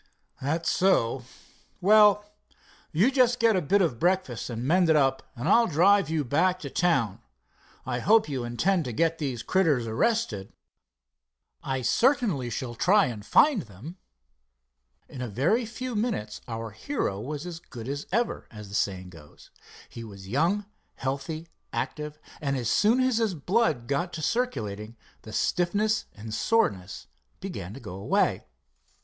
"That's so. Well, you just get a bit of breakfast and mended up, and I'll drive you back to town. I hope you intend to get those critters arrested." "I certainly shall try and find them," said Dave. In a very few minutes our hero was as good as ever, as the saying goes. He was young, healthy, active, and as soon as his blood got to circulating, the stiffness and soreness began to go away.